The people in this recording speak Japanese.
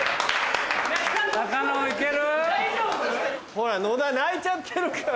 ほら野田泣いちゃってるから。